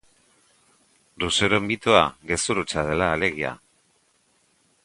Rousseauren mitoa gezur hutsa dela, alegia!